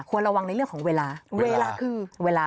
ระวังในเรื่องของเวลาเวลาคือเวลา